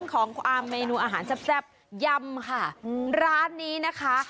ของความเมนูอาหารแซ่บยำค่ะร้านนี้นะคะ